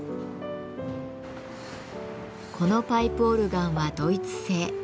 このパイプオルガンはドイツ製。